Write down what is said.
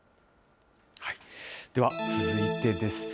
では続いてです。